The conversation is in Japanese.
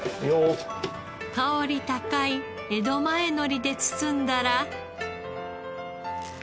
香り高い江戸前のりで包んだら。